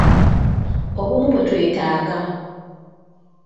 Obumu bwe twetaaga.